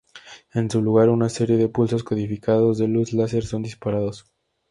En su lugar, una serie de pulsos codificados de luz láser son disparados.